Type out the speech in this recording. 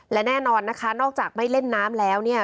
และแน่นอนนะคะนอกจากไม่เล่นน้ำแล้วเนี่ย